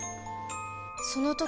その時